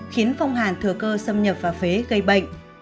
khiến phong hàn thừa cơ xâm nhập vào phế gây bệnh